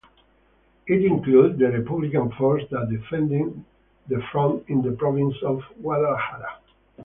It included the Republican forces that defended the front in the province of Guadalajara.